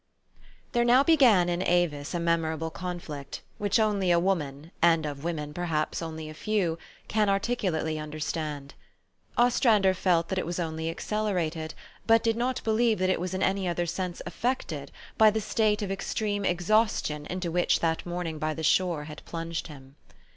THERE now began in Avis a memorable conflict, which only a woman, and of women perhaps only a few, can articulately understand. Ostrander felt that it was only accelerated, but did not believe that it was in any other sense affected, by the state of extreme exhaustion into which that morning by the shore had plunged him.